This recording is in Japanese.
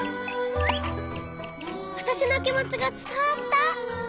わたしのきもちがつたわった！